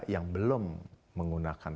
yang belum menggunakan